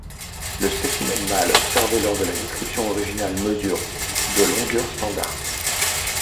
Le spécimen mâle observé lors de la description originale mesure de longueur standard.